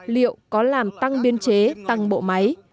liệu có làm tăng biên chế tăng bộ máy